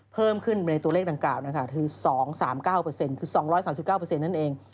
เพิ่มขึ้นในตัวเลขดังกล่าวคือ๒๓๙เปอร์เซ็นต์คือ๒๓๙เปอร์เซ็นต์นั่นเอง